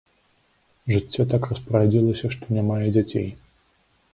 Жыццё так распарадзілася, што не мае дзяцей.